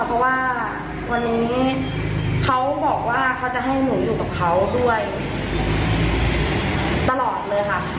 เพราะว่าวันนี้เขาบอกว่าเขาจะให้หนูอยู่กับเขาด้วยตลอดเลยค่ะ